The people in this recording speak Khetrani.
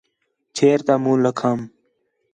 چھیر تا مُنہ لَکھام